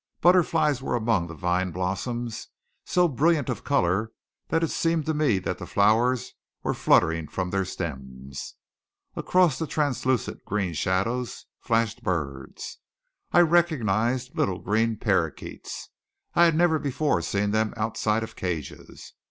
Butterflies were among the vine blossoms, so brilliant of colour that it seemed to me that the flowers were fluttering from their stems. Across the translucent green shadows flashed birds. I recognized little green paroquets. I had never before seen them outside of cages.